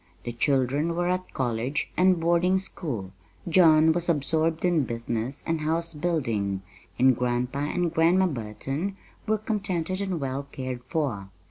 The children were at college and boarding school; John was absorbed in business and house building, and Grandpa and Grandma Burton were contented and well cared for.